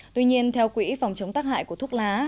tuy nhiên theo quỹ phòng chống tác hại của thuốc lá